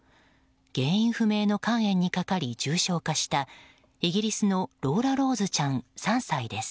現認不明の肝炎にかかり重傷化したイギリスのローラローズちゃん、３歳です。